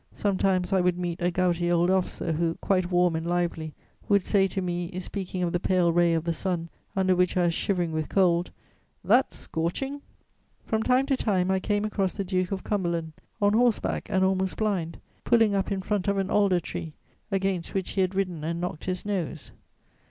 Sometimes I would meet a gouty old officer who, quite warm and lively, would say to me, speaking of the pale ray of the sun under which I was shivering with cold: "That's scorching!" From time to time, I came across the Duke of Cumberland, on horseback and almost blind, pulling up in front of an alder tree, against which he had ridden and knocked his nose.